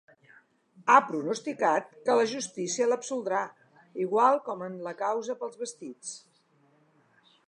Ha pronosticat que la justícia l’absoldrà, igual com en la causa pels vestits.